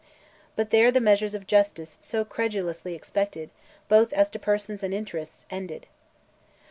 But there the measures of justice so credulously expected, both as to persons and interests, ended.